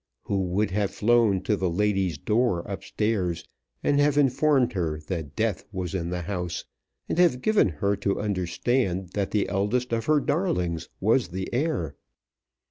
Who would have flown to the lady's door up stairs and have informed her that death was in the house and have given her to understand that the eldest of her darlings was the heir?